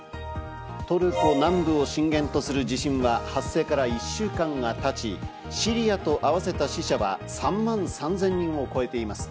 トルコ南部を震源とする地震は、発生から１週間がたち、シリアと合わせた死者は３万３０００人を超えています。